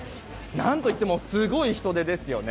何といってもすごい人出ですよね。